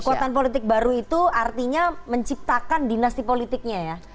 kekuatan politik baru itu artinya menciptakan dinasti politiknya ya